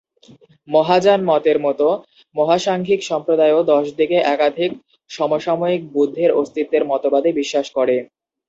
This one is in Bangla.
মহাযান মতের মতো, মহাসাংঘিক সম্প্রদায়ও দশ দিকে একাধিক সমসাময়িক বুদ্ধের অস্তিত্বের মতবাদে বিশ্বাস করে।